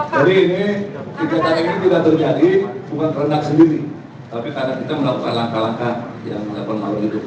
jadi ini kita tarik ini tidak terjadi bukan perenak sendiri tapi karena kita melakukan langkah langkah yang melalui lindung